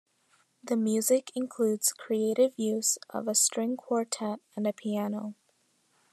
The music includes creative use of a string quartet and a piano.